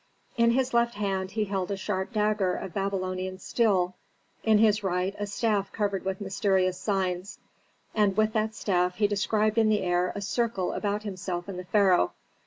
In his left hand he held a sharp dagger of Babylonian steel, in his right a staff covered with mysterious signs, and with that staff he described in the air a circle about himself and the pharaoh.